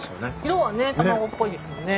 色はね卵っぽいですよね。